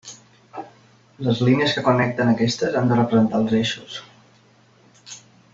Les línies que connecten aquestes han de representar els eixos.